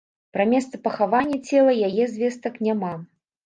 Пра месца пахавання цела яе звестак няма.